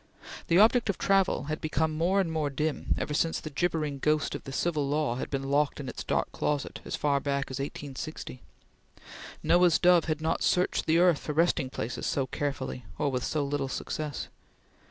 The object of travel had become more and more dim, ever since the gibbering ghost of the Civil Law had been locked in its dark closet, as far back as 1860. Noah's dove had not searched the earth for resting places so carefully, or with so little success.